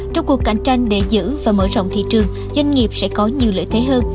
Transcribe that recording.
trong cuộc cạnh tranh để giữ và mở rộng thị trường doanh nghiệp sẽ có nhiều lợi thế hơn